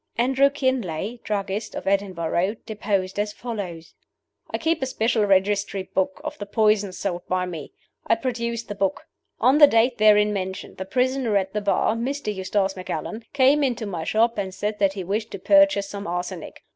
Andrew Kinlay, druggist, of Edinburgh, deposed as follows: "I keep a special registry book of the poisons sold by me. I produce the book. On the date therein mentioned the prisoner at the bar, Mr. Eustace Macallan, came into my shop, and said that he wished to purchase some arsenic.